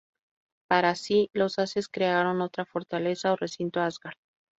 Para sí, los Ases crearon otra fortaleza o recinto, Asgard.